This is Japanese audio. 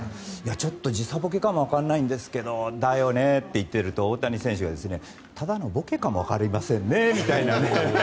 ちょっと時差ぼけかもわからないんですけどだよねって言っていると大谷選手がただのぼけかもわかりませんねみたいな。